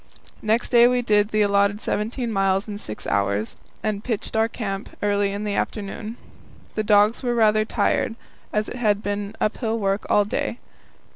Next day we did the allotted seventeen miles in six hours, and pitched our camp early in the afternoon. The dogs were rather tired, as it had been uphill work all day.